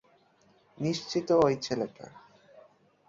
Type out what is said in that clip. নিশ্চিত ঔই ছেলেটা।